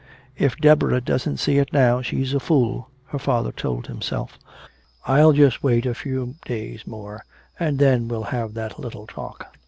"If Deborah doesn't see it now, she's a fool," her father told himself. "I'll just wait a few days more, and then we'll have that little talk."